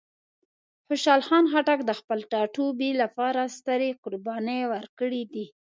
خوشحال خان خټک د خپل ټاټوبي لپاره سترې قربانۍ ورکړې دي.